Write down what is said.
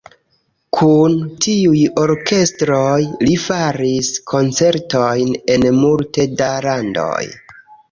Kun tiuj orkestroj li faris koncertojn en multe da landoj.